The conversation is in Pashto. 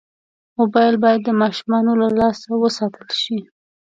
موبایل باید د ماشومانو له لاسه وساتل شي.